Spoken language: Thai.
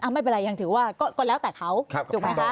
ไม่เป็นไรยังถือว่าก็แล้วแต่เขาถูกไหมคะ